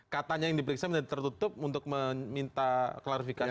katanya yang diperiksa tertutup untuk meminta klarifikasi